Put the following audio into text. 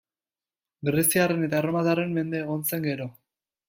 Greziarren eta erromatarren mende egon zen gero.